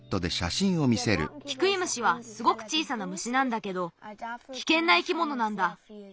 キクイムシはすごく小さな虫なんだけどきけんないきものなんだ。